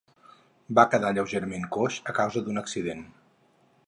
Va quedar lleugerament coix a causa d'un accident.